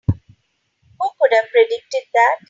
Who could have predicted that?